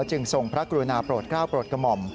จึงทรงพระกรุณาโปรดกล้าวโปรดกระหม่อม